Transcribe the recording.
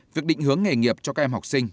việc định hướng nghề nghiệp cho các em học sinh